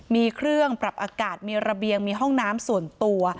มีเครื่องปรับอากาศมีระเบียงมีห้องน้ำส่วนตัว